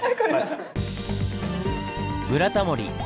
「ブラタモリ」